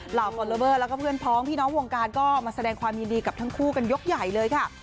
เหล่าฟอลเลอเบอร์แล้วก็เพื่อนพ้องพี่น้องวงการก็มาแสดงความยินดีกับทั้งคู่กันยกใหญ่เลยค่ะ